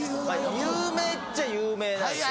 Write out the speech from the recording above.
有名っちゃ有名なんですよ。